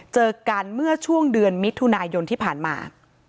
เจอกันเมื่อช่วงเดือนมิถุนายนที่ผ่านมา